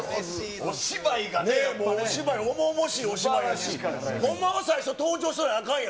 お芝居がね、もうお芝居、重々しいお芝居がね、ほんまは最初、登場しなきゃあかんやん。